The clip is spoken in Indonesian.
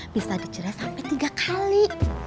bisa dicerah sampai tiga kali